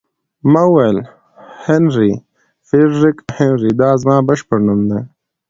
ما وویل: هنري، فرېډریک هنري، دا زما بشپړ نوم دی.